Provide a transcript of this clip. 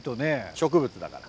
植物だから。